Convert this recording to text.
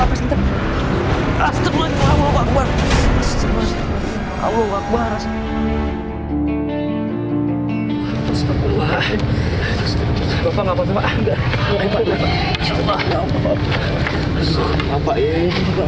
astaghfirullahaladzim allah wabarakatuh